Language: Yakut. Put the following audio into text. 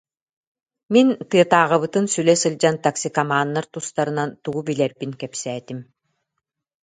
Мин тыатааҕыбытын сүлэ сылдьан токсикоманнар тустарынан тугу билэрбин кэпсээтим